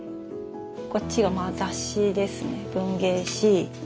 こっちは雑誌ですね文芸誌。